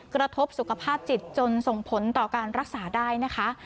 กระทบสุขภาพจิตจนส่งผลต่อการรักษาได้นะคะ